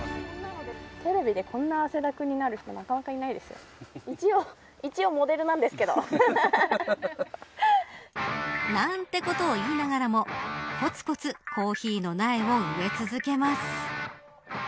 テレビでこんな汗だくになる人なかなかいないですよ。なんてことを言いながらもこつこつコーヒーの苗を植え続けます。